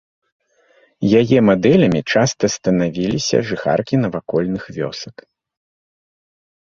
Яе мадэлямі часта станавіліся жыхаркі навакольных вёсак.